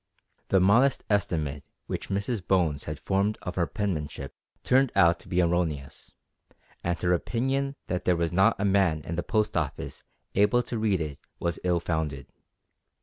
The modest estimate which Mrs Bones had formed of her penmanship turned out to be erroneous, and her opinion that there was not a man in the Post Office able to read it was ill founded.